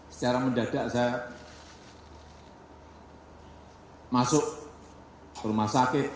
secara mendadak saya masuk ke rumah sakit